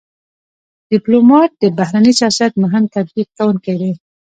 ډيپلومات د بهرني سیاست مهم تطبیق کوونکی دی.